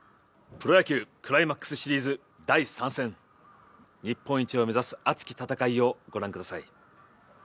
プロ野球クライマックスシリーズ第３戦、日本一を目指す熱き戦いをご覧ください。